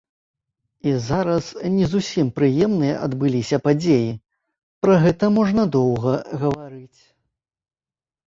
І зараз не зусім прыемныя адбыліся падзеі, пра гэта можна доўга гаварыць.